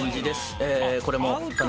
えこれも。